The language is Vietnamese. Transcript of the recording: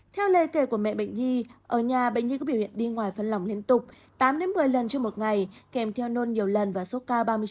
theo lề kể của mẹ bệnh nhi ở nhà bệnh nhi có biểu hiện đi ngoài phân lòng liên tục tám một mươi lần trong một ngày kèm theo nôn nhiều lần và số ca ba mươi chín độ c